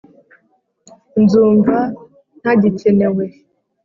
nzumva ntagikenewe